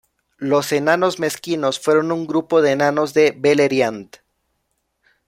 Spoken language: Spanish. Los Enanos Mezquinos fueron un grupo de Enanos de Beleriand.